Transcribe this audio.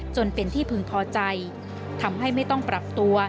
จนเป็นที่พึงพอใจทำให้ไม่ต้องปรับตัว